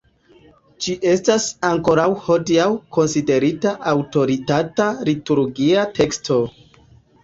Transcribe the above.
Ĝi estas ankoraŭ hodiaŭ konsiderita aŭtoritata liturgia teksto.